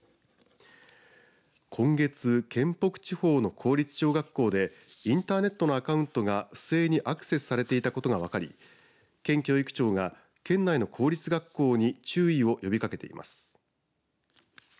今月、県北地方の公立小学校でインターネットのアカウントが不正にアクセスされていたことが分かり県教育庁が県内の公立学校に注意を呼びかけています。